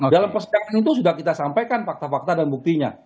dalam persidangan itu sudah kita sampaikan fakta fakta dan buktinya